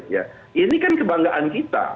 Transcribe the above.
ya ini kan kebanggaan kita